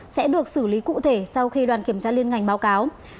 sẽ được xử lý cụ thể sau khi đoàn kiểm tra liên ngành báo cáo